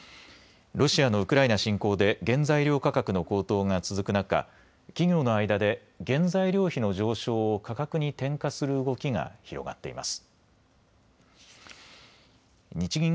ロシアのウクライナ侵攻で原材料価格の高騰が続く中、企業の間で原材料費の上昇を価格に転嫁する動きが広がっています。